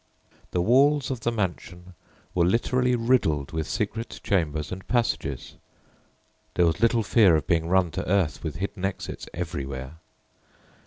The walls of the mansion were literally riddled with secret chambers and passages. There was little fear of being run to earth with hidden exits everywhere.